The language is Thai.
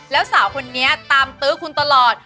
แล้วสาวคนนี้ตามตื้อคุณตลอด